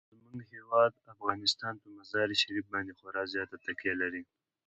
زموږ هیواد افغانستان په مزارشریف باندې خورا زیاته تکیه لري.